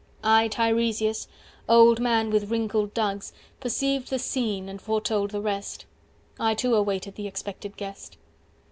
I Tiresias, old man with wrinkled dugs Perceived the scene, and foretold the rest— I too awaited the expected guest.